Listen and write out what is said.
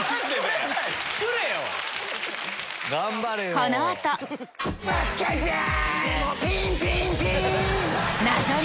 この後バッカじゃん